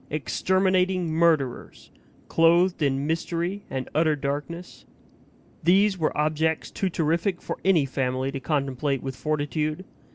exterminating murderers! clothed in mystery and utter darkness these were objects too terrific for any family to contemplate with fortitude.